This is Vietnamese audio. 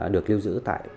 được lưu giữ